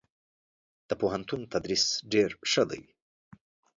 دپوهنتون تدريس ډير ښه دی.